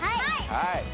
はい！